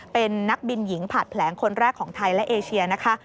เป็นนักบินหญิงผัดแผลงคนแรกของไทยและเอเชียนะคะ